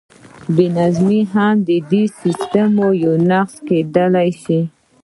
بې نظمي هم د دې سیسټم یو نقص کیدی شي.